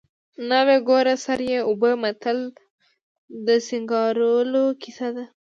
ناوې ګوره سر یې اوبه متل د سینګارولو کیسه ده